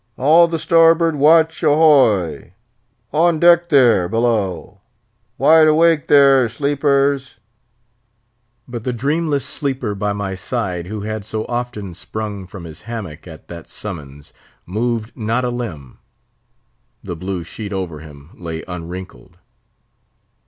"All the starboard watch, ahoy! On deck there, below! Wide awake there, sleepers!" But the dreamless sleeper by my side, who had so often sprung from his hammock at that summons, moved not a limb; the blue sheet over him lay unwrinkled.